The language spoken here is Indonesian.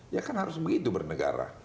ya kan harus begitu bernegara